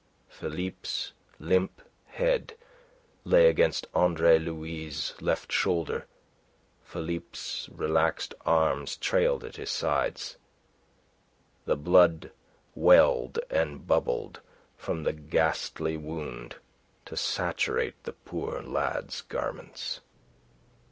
Philippe's limp head lay against Andre Louis' left shoulder; Philippe's relaxed arms trailed at his sides; the blood welled and bubbled from the ghastly wound to saturate the poor lad's garments.